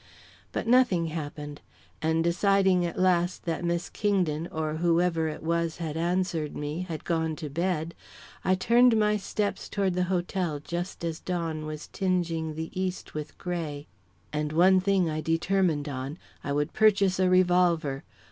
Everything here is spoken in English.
But nothing happened, and deciding at last that Miss Kingdon, or whoever it was had answered me, had gone to bed, I turned my steps toward the hotel just as the dawn was tingeing the east with grey. And one thing I determined on I would purchase a revolver.